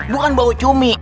bukan bau cumi